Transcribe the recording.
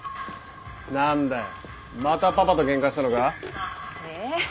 何だよまたパパとけんかしたのか？